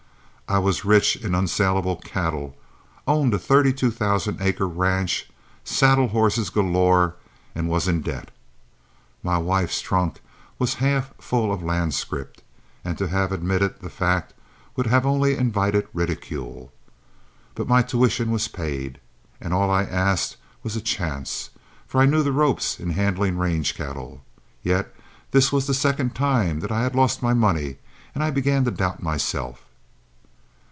I was rich in unsalable cattle, owned a thirty two thousand acre ranch, saddle horses galore, and was in debt. My wife's trunk was half full of land scrip, and to have admitted the fact would only have invited ridicule. But my tuition was paid, and all I asked was a chance, for I knew the ropes in handling range cattle. Yet this was the second time that I had lost my money and I began to doubt myself.